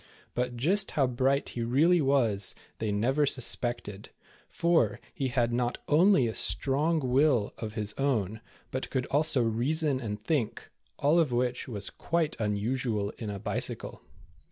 But just how bright he really was. they never sus pected, for he had not only a strong will of his 223 2 24 The Bold Bad Bicycle. own, but could also reason and think, all of which was quite unusual in a bicycle.